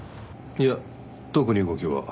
いや特に動きは。